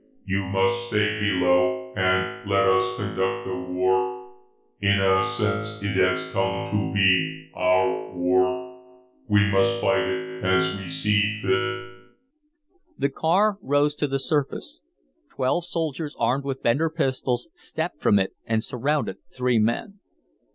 You must stay below and let us conduct the war. In a sense, it has come to be our war. We must fight it as we see fit." The car rose to the surface. Twelve soldiers, armed with Bender pistols, stepped from it and surrounded the three men.